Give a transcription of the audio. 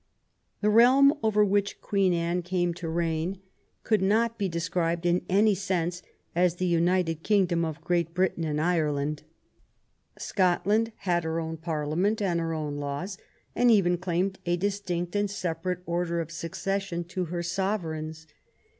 The realm over which Queen Anne came to reign 20 WHAT THE QUEEN CAME TO— AT HOME could not be described in any sense as the United King dom of Great Britain and Ireland. Scotland had her own Parliament and her own laws, and even claimed a distinct and separate order of succession in her sov ereigns.